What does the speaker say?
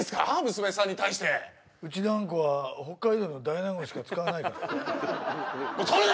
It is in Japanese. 娘さんに対してうちのあんこは北海道の大納言しか使わないから撮るな！